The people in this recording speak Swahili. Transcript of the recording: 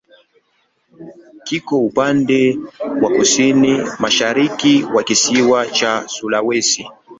Kiko upande wa kusini-mashariki wa kisiwa cha Sulawesi.